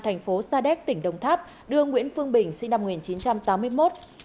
thành phố sa đéc tỉnh đồng tháp đưa nguyễn phương bình sinh năm một nghìn chín trăm tám mươi một